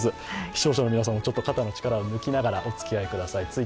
視聴者の皆さんも肩の力を抜きながらおつきあいください。